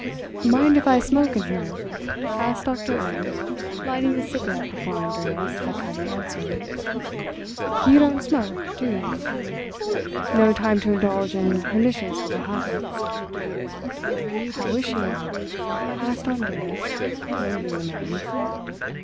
"Mind if I smoke in here?" asked Doctor Erb, lighting a cigarette before Andreas had time to answer. "You don't smoke, do you? No time to indulge in pernicious little habits!" "How is she now?" asked Andreas, loathing the man.